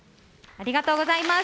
ありがとうございます。